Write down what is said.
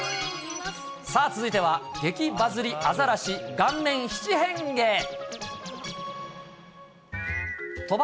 さあ続いては激バズりアザラシ顔面七変化。